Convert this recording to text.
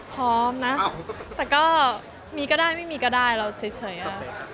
พร้อมนะแต่ก็มีก็ได้ไม่มีก็ได้เราเฉยค่ะ